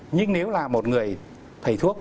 nhưng nếu là một người thầy thuốc